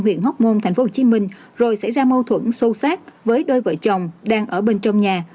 huyện hóc môn tp hcm rồi xảy ra mâu thuẫn sâu sát với đôi vợ chồng đang ở bên trong nhà